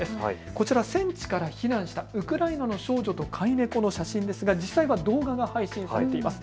こちら戦地から避難したウクライナの少女と飼い猫の写真ですが実際は動画が配信されています。